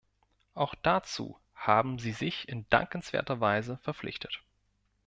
Auch dazu haben Sie sich in dankenswerter Weise verpflichtet.